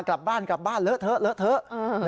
กลับบ้านกลับบ้านเหลือเถอะ